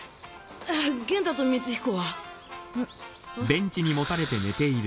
元太と光彦は？